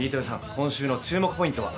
今週の注目ポイントは？